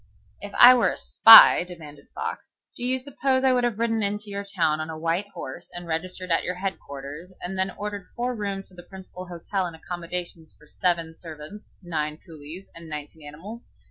"If I were a spy," demanded Fox, "do you suppose I would have ridden into your town on a white horse and registered at your head quarters and then ordered four rooms at the principal hotel and accommodations for seven servants, nine coolies, and nineteen animals?